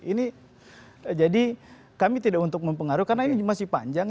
ini jadi kami tidak untuk mempengaruhi karena ini masih panjang